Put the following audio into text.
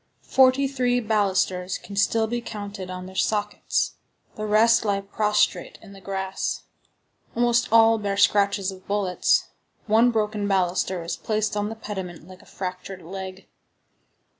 Forty three balusters can still be counted on their sockets; the rest lie prostrate in the grass. Almost all bear scratches of bullets. One broken baluster is placed on the pediment like a fractured leg.